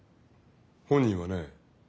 本人はね